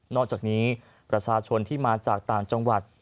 อกจากนี้ประชาชนที่มาจากต่างจังหวัด